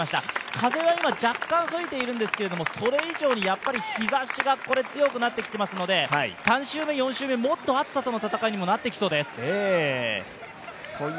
風は今、若干吹いているんですけど、それ以上に風が強くなってきてますので３周目、４周目、もっと暑さとの戦いにもなってきそうです。